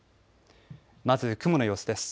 まず雲の様子です。